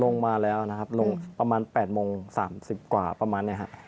ลงมาแล้วนะครับลงประมาณ๘โมง๓๐กว่าประมาณนี้ครับ